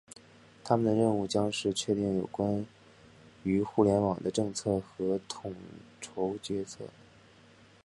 他们的任务将是确定有关于互联网的政策和统筹决策。